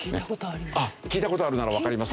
聞いた事あるならわかりますね。